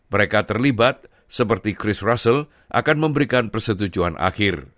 mereka terlibat seperti chris russell akan memberikan persetujuan akhir